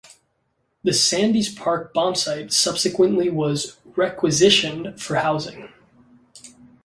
The Sandheys Park bombsite subsequently was requisitioned for housing.